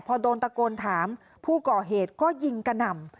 พอโดนตะโกนถามผู้ก่อเหตุก็ยิงกระหน่ำ